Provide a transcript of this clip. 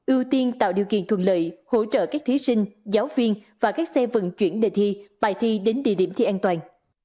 ưu tiên tạo điều kiện thuận lợi hỗ trợ các thí sinh giáo viên và các xe vận chuyển đề thi bài thi đến địa điểm thi an toàn